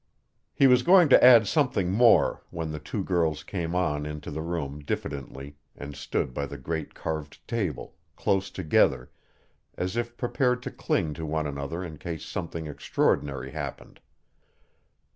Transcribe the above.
He was going to add something more, when the two girls came on into the room diffidently and stood by the great carved table, close together, as if prepared to cling to one another in case something extraordinary happened.